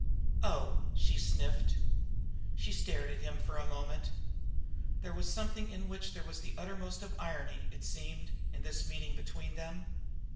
"Oh!" she sniffed. She stared at him for a moment. There was something in which there was the uttermost of irony now, it seemed, in this meeting between them.